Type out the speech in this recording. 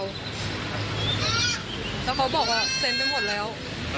แล้วเขาบอกว่าเซ็นไปหมดแล้ว